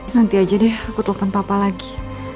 nanti aja deh aku telepon papa lagi